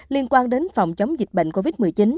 liên quan đến phòng chống dịch bệnh covid một mươi chín